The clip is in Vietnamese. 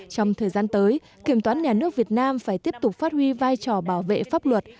trong thời gian tới kiểm toán nhà nước việt nam phải tiếp tục phát huy vai trò bảo vệ pháp luật